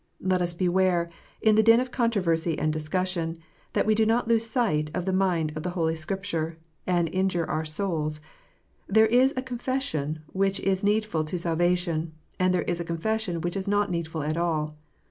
Let us beware, in the din of controversy and discussion, that we do not lose sight of the mind of Holy Scripture, and injure our own souls. There is a confession which is needful to salvation, and there is a confession which is not needful at all.